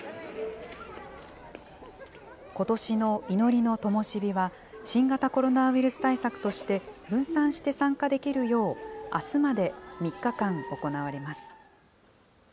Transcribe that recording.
ことしのいのりの灯は、新型コロナウイルス対策として、分散して参加できるよう、あすまで３日間行われます。